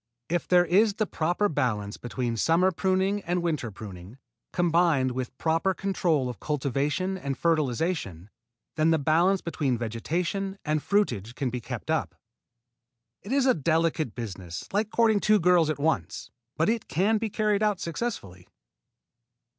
If there is the proper balance between summer pruning and winter pruning, combined with proper control of cultivation and fertilization, then the balance between vegetation and fruitage can be kept up. It is a delicate business, like courting two girls at once, but it can be carried out successfully.